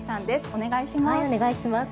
お願いします。